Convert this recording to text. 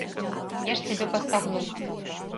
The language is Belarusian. Я ж цябе пастагну!